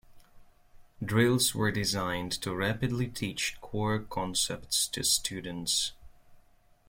Drills were designed to rapidly teach core concepts to students.